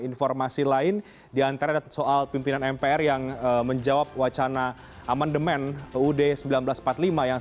informasi lain diantara soal pimpinan mpr yang menjawab wacana amandemen uud seribu sembilan ratus empat puluh lima yang